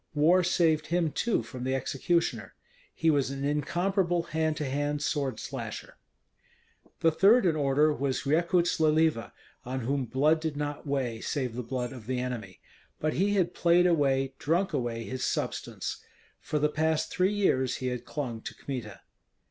War saved him, too, from the executioner. He was an incomparable hand to hand sword slasher. The third in order was Rekuts Leliva, on whom blood did not weigh, save the blood of the enemy. But he had played away, drunk away his substance. For the past three years he had clung to Kmita.